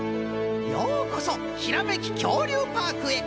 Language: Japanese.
ようこそひらめききょうりゅうパークへ。